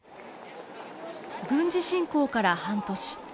軍事侵攻から半年。